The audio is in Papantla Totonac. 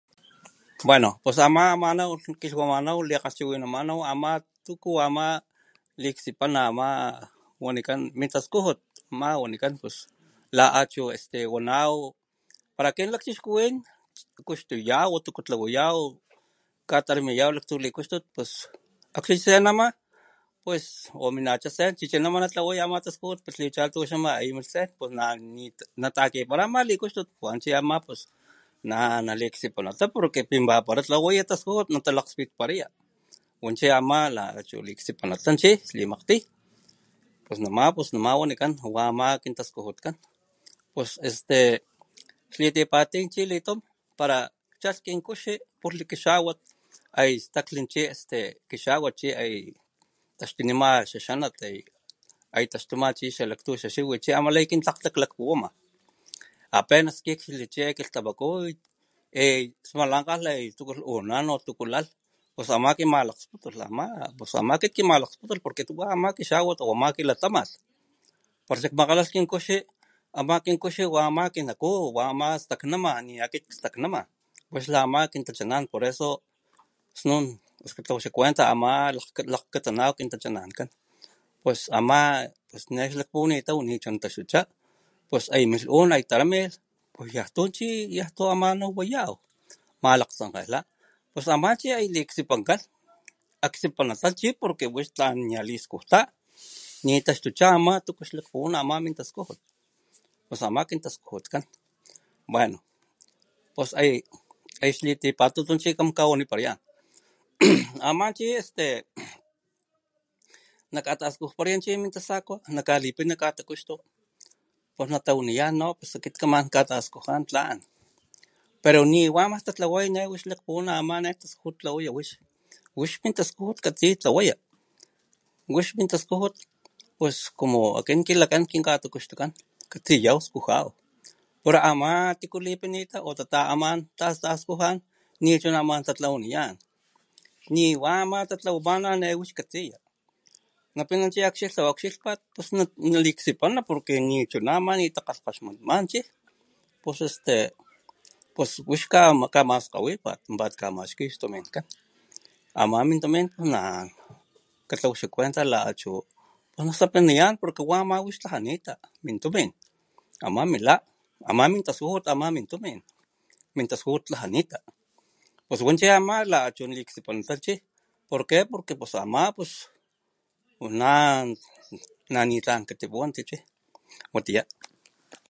Bueno pues ama amanaw akin kilhwamanaw likgalhchiwinana tuku ama liaksipina ama wanikan mintaskujut ama wanikan la achu para akin lakchixkuwin kuxtuyaw para tuku tlawayaw katanuyaw laktru likuxtut akxni senama pues o minacha chichini o senama natlwaya ama taskujut xlichali pos ama namin sen takipara ama likuxtut wan chi ama pos naliaksanata porque pinparata tlawaya taskujut natalakgspintaraya wanchi ama lata liaksipinkan chi xlimakgtuy pus nama nama wanikan kintaskujutkan pues esyte xlitipatuy wanikan para xtaskin kuxi ay stakli chi kixawatkan taxtunima xaxanat ay taxtuma chi xalaklanka kintlakgtla lakpuwanma apesnaku chi taxtuma smalankgan uyu tsukulh una tuku lay pus ama kimalaksputulh ama pus ama wa kimalakgputulh akit sputkgoma kilataman pos xikmakgalhalh kin kuxi wa ama kinaku wa ama staknama ni watiya akit staknama wachi ama kintachanan por eso snun xakuenta katsnaw kintachanankan pos ne ama xiklakwanitaw pus mulh un uyu tramulh tu ch ya aman wayaw malkgtsankgelha ama chi ay liksipankan aksipinata porque chi lay ta liskujtita nitaxtucha tuku xama lakpuwana ama chi mintaskujut pos ama kintaskujutkan pos xlitiatutu na kawaniparayan ama chi nakataskujparaya chi min tasakua nakalipiniya wix mintaskujut katsiya ti tlawaya wix mintaskujut pues como akin kilakan kikatakuxtutkan katsiyaw skujaw atra ama tiku tapiniya wa tatakgamanan niwa ama tatlawana ne wix katsiya napina chi ukxilhpat naliaksipana porque nichuama nita takgalhkalh man chi pos este pos wix kamaskgawipat kamaxki stuminkan ama mintumin naan katlawa xakuenta a achu naliaksipiniyan wix ama tlajanita tumin ama min la ama mintaskujut la ama mintumin mintaskujut tlajanita pos wan chi ama lata chi ama aksipanita chi porque pos ama chi nanitlan kitipuwantichi watiya.